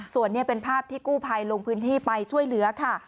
ส่วนนี้เป็นภาพที่กู้ภัยลงพื้นที่ไปช่วยเหลือค่ะ